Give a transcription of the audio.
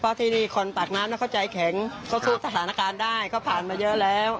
เพราะที่นี่คนปากน้ำเขาใจแข็งเขาสู้สถานการณ์ได้เขาผ่านมาเยอะแล้ว